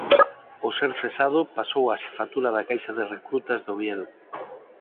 Ao ser cesado pasou á xefatura da Caixa de Recrutas de Oviedo.